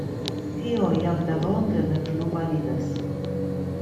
Tio jam de longe ne plu validas.